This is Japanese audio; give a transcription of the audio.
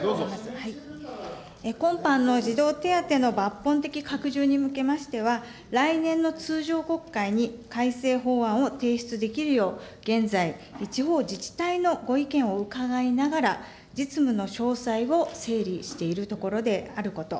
今般の児童手当の抜本的拡充に向けましては、来年の通常国会に改正法案を提出できるよう、現在、地方自治体のご意見を伺いながら、実務の詳細を整理しているところであること。